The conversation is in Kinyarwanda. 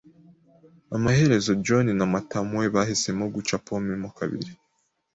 Amaherezo, John na Matamaue bahisemo guca pome mo kabiri.